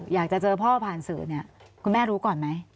อยากจะเจอพ่อผ่านสื่อเนี่ยคุณแม่รู้ก่อนไหม